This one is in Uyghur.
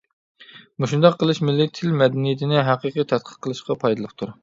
مۇشۇنداق قىلىش مىللىي تىل-مەدەنىيىتىنى ھەقىقىي تەتقىق قىلىشقا پايدىلىقتۇر.